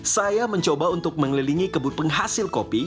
saya mencoba untuk mengelilingi kebun penghasil kopi